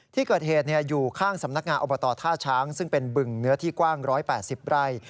ที่เกิดเหตุอยู่ข้างสำนักงานอบตท่าช้างซึ่งเป็นบึงเนื้อที่กว้าง๑๘๐ไร่